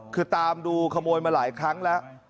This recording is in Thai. คือตามดูขโมยมาหลายครั้งแล้ว